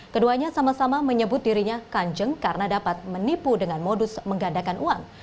keduanya sama sama menyebut dirinya kanjeng karena dapat menipu dengan modus menggandakan uang